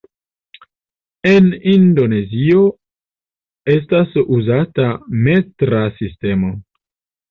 En Indonezio estas uzata metra sistemo.